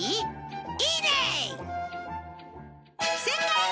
いいね！